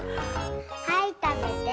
はいたべて。